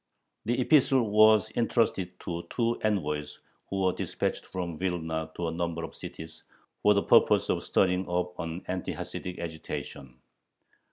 The epistle was intrusted to two envoys, who were dispatched from Vilna to a number of cities, for the purpose of stirring up an anti Hasidic agitation.